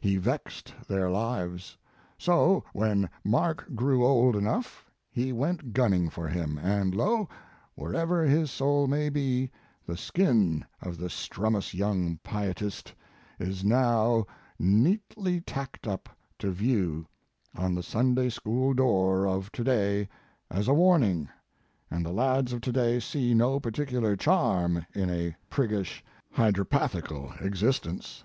He vexed their lives. So, when Mark grew old enough, he went gunning for him, and lo, wherever his soul may be, the skin of the strumous young pietist is now neatly tacked up to view on the Sunday school door of to day as a warning, and the lads of to day see no particular charm in a priggish, hy dropathical existence.